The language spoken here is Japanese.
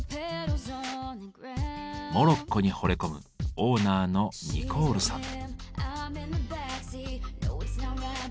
モロッコにほれ込むオーナーのニコールさん。